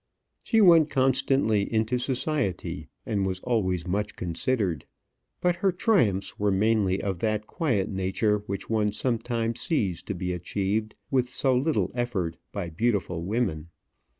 She went constantly into society, and was always much considered; but her triumphs were mainly of that quiet nature which one sometimes sees to be achieved with so little effort by beautiful women.